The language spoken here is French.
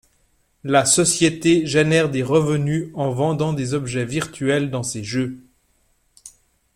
La société génère des revenus en vendant des objets virtuels dans ses jeux.